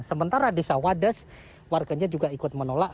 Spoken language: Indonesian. sementara desa wadas warganya juga ikut menolak